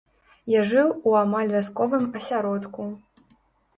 Я жыў у амаль вясковым асяродку.